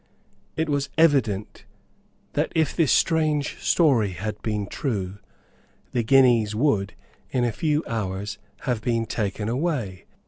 It was evident that, if this strange story had been true, the guineas would, in a few hours, have been taken away.